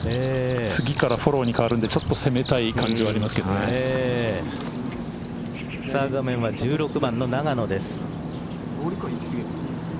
次からフォローに変わるのでちょっと攻めたい感じはさあ画面は１６番の永野です。